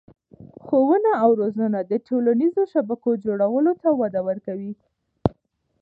ښوونه او روزنه د ټولنیزو شبکو جوړولو ته وده ورکوي.